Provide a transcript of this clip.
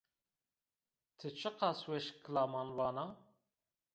Ti çiqas weş kilaman vana!